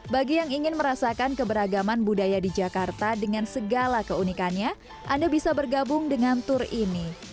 bagi yang ingin merasakan keberagaman budaya di jakarta dengan segala keunikannya anda bisa bergabung dengan tur ini